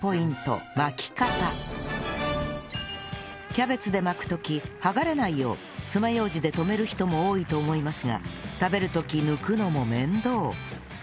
キャベツで巻く時剥がれないよう爪楊枝で留める人も多いと思いますが食べる時抜くのも面倒